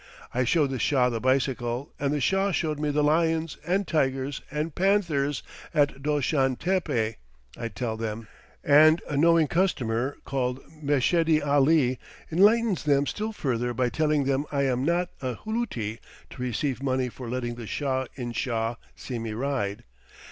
"I showed the Shah the bicycle, and the Shah showed me the lions, and tigers, and panthers at Doshan Tepe," I tell them; and a knowing customer, called Meshedi Ali, enlightens them still further by telling them I am not a luti to receive money for letting the Shah in Shah see me ride.